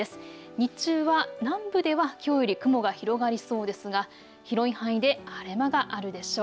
日中は南部ではきょうより雲が広がりそうですが、広い範囲で晴れ間があるでしょう。